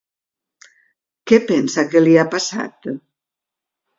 Què pensa que li ha passat?